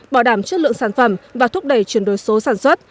bảo đảm chất lượng sản phẩm và thúc đẩy chuyển đổi số sản xuất